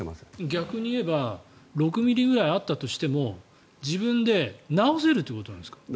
逆に言えば６ｍｍくらいあったとしても自分で治せるということなんですか。